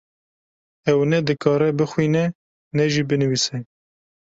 Ew ne dikare bixwîne ne jî binivîse.